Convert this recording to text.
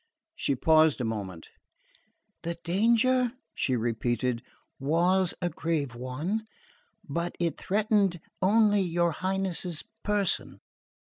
She paused a moment. "The danger," she repeated, "was a grave one; but it threatened only your Highness's person.